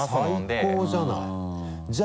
最高じゃない。